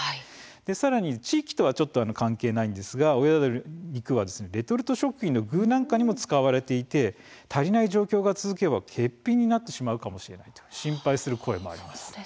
さらに地域とは関係ないんですが親鳥の肉はレトルト食品の具なんかにも使われていて足りない状況が続けば欠品になるかもしれないと心配される声も出ています。